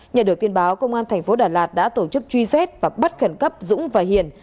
nhận được tin báo công an thành phố đà lạt đã tổ chức truy xét và bắt khẩn cấp dũng và hiền